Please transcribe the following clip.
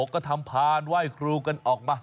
ก็ทำพานไหว้ครูกันออกมา